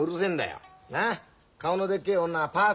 顔のでっけえ女はパス！